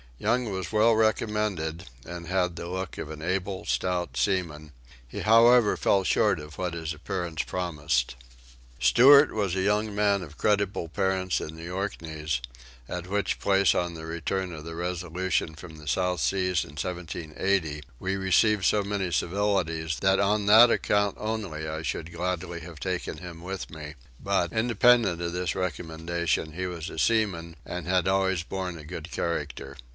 Young was well recommended and had the look of an able stout seaman: he however fell short of what his appearance promised. Stewart was a young man of creditable parents in the Orkneys, at which place on the return of the Resolution from the South Seas in 1780 we received so many civilities that on that account only I should gladly have taken him with me but, independent of this recommendation, he was a seaman and had always borne a good character.